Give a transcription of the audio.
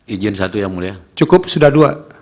izin satu yang mulia cukup sudah dua